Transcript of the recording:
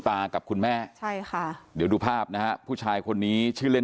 กับคุณแม่ใช่ค่ะเดี๋ยวดูภาพนะฮะผู้ชายคนนี้ชื่อเล่น